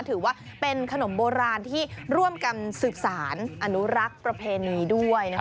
ถือว่าเป็นขนมโบราณที่ร่วมกันสืบสารอนุรักษ์ประเพณีด้วยนะคะ